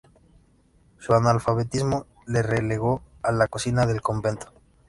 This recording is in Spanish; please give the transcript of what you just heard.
Su analfabetismo le relegó a la cocina del convento.